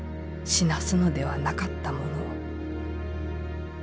死なすのではなかったものを。